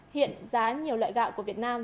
hiện giá nhiều loại gạo của việt nam